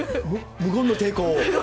無言の抵抗。